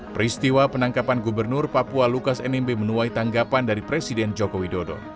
peristiwa penangkapan gubernur papua lukas nmb menuai tanggapan dari presiden joko widodo